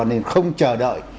nên không chờ đợi